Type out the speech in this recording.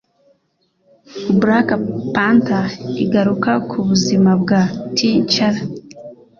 Black Panter’ igaruka ku buzima bwa T’Challa